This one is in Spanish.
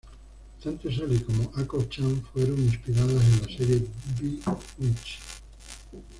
Tanto Sally como Akko-chan fueron inspiradas en la serie "Bewitched".